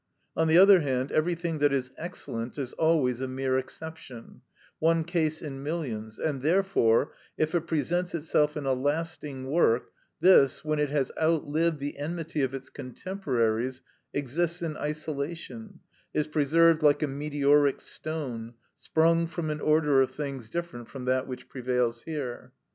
On the other hand, everything that is excellent is always a mere exception, one case in millions, and therefore, if it presents itself in a lasting work, this, when it has outlived the enmity of its contemporaries, exists in isolation, is preserved like a meteoric stone, sprung from an order of things different from that which prevails here.